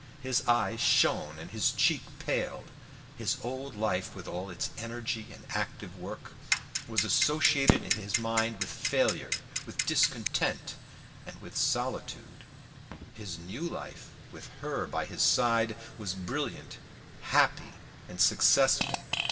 His eyes shone and his cheek paled; his old life with all its energy and active work was associated in his mind with failure, with discontent, and with solitude; his new life, with her by his side, was brilliant, happy, and successful.